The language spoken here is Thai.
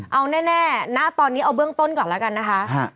เอาแน่ณตอนนี้เอาเบื้องต้นก่อนแล้วกันนะคะ